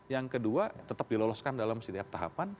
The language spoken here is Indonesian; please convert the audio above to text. yang kedua tetap diloloskan dalam setiap tahapan